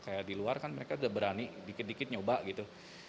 karena di luar kan mereka udah berani dikit dikit nyoba gitu